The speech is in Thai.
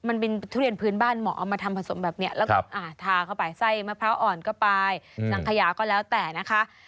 มันเป็นทุเรียนพื้นบ้านหมอเอามาทำผสมแบบนี้แล้วก็ทาเข้าไปไส้มะพร้าวอ่อนก็ไปสังขยาก็แล้วแต่นะคะ